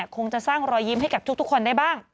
คงจะสร้างรอยยิ้มให้กับทุกคนได้บ้าง